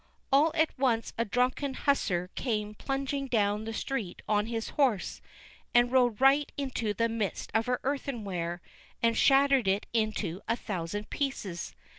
All at once a drunken hussar came plunging down the street on his horse, and rode right into the midst of her earthenware, and shattered it into a thousand pieces.